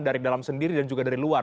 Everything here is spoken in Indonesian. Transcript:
dari dalam sendiri dan juga dari luar